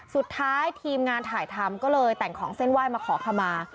สุดท้ายทีมงานถ่ายทำก็เลยแต่งของเส้นไหว้มาขอคำมา